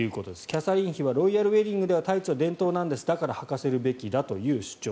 キャサリン妃はロイヤルウェディングではタイツは伝統なんですだからはかせるべきなんだという主張。